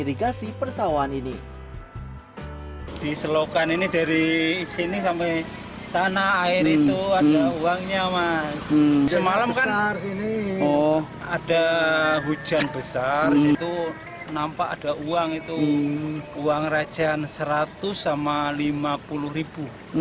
di air itu ada uangnya mas semalam kan ada hujan besar itu nampak ada uang itu uang rajaan rp seratus sama rp lima puluh